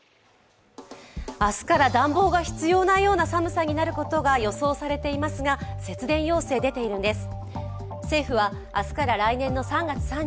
明日から暖房が必要なような寒さになることが予想されていますが節電要請、出ているんです。